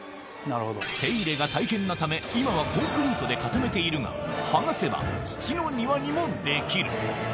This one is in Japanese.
手入れが大変なため今はコンクリートで固めているがはがせば土の庭にもできる！